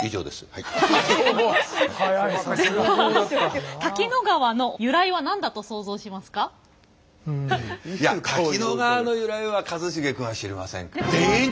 いや滝野川の由来は一茂君は知りませんから。